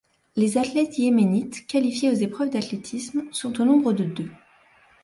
Les athlètes yéménites qualifiés aux épreuves d'athlétisme sont au nombre de deux.